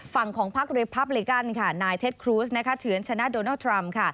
ฝั่งของพักเรพับลิกันค่ะนายเท็จครูสเฉือนชนะโดนัลดทรัมป์